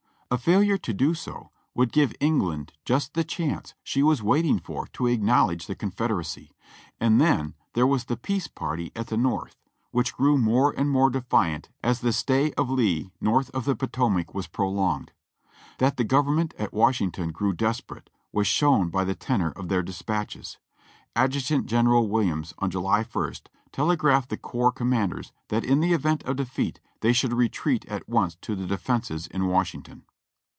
A failure to do so would give England just the chance she was waiting for to acknowledge the Confederacy ; and then there was the Peace party at the North, that grew more and more defiant as the stay of Lee north of the Potomac was pro longed. That the Government at Washington grew desperate, was shown by the tenor of their dispatches. Adjutant General Williams on July ist telegraphed the corps commanders that in the event of defeat they should retreat at once to the defenses in Washington.